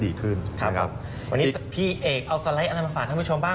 ครับวันนี้พี่เอกเอาสไลด์อะไรมาฝากท่านผู้ชมบ้าง